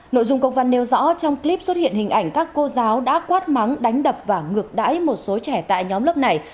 nội dung công văn nêu rõ trong clip xuất hiện hình ảnh các cô giáo đã quát mắng đánh đập và ngược đãi một số trẻ tại nhóm lớp này